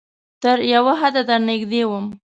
تر یو حده درنږدې وم